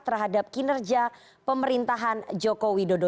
terhadap kinerja pemerintahan joko widodo